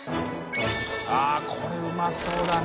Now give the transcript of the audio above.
△これうまそうだね。